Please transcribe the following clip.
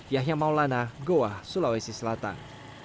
yahya maulana goa sulawesi selatan